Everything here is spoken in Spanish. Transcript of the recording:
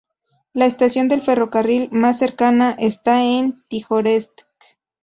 La estación de ferrocarril más cercana está en Tijoretsk.